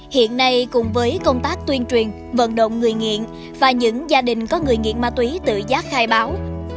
hiện nay cùng với công tác tuyên truyền vận động người nghiện và những gia đình có người nghiện ma túy tự giác khai báo